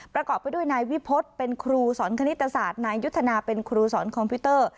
ประกอบไปด้วยนายวิพฤษเป็นครูสอนคณิตศาสตร์นายยุทธนาเป็นครูสอนคอมพิวเตอร์